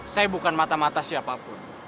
saya bukan mata mata siapapun